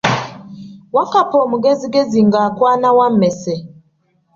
Wakkapa omugezigezi ng’akwana wammese.